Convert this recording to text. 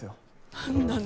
何なの？